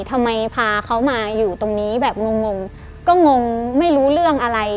ทำไมพาเขามาอยู่ตรงนี้แบบงงงก็งงไม่รู้เรื่องอะไร